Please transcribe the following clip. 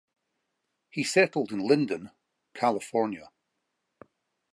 He settled in Linden, California.